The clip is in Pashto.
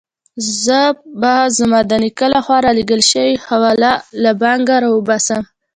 زه به زما د نیکه له خوا رالېږل شوې حواله له بانکه راوباسم.